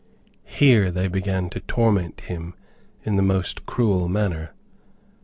Here they began to torment him in the most cruel manner.